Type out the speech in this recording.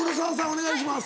お願いします。